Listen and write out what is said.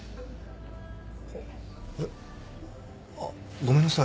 あれっ？あっごめんなさい。